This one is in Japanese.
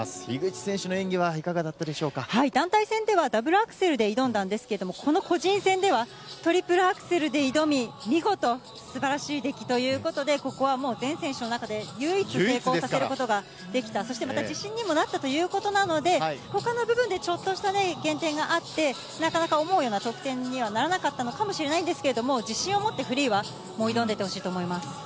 樋口選手の演技はいかがだったで団体戦では、ダブルアクセルで挑んだんですけれども、この個人戦ではトリプルアクセルで挑み、見事、すばらしい出来ということで、ここはもう、全選手の中で唯一成功させることができた、そしてまた自信にもなったということなので、ほかの部分でちょっとした減点があって、なかなか思うような得点にはならなかったのかもしれないんですけれども、自信を持ってフリーは、挑んでいってほしいと思います。